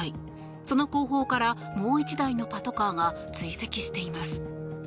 その後方からもう１台のパトカーが追跡しています。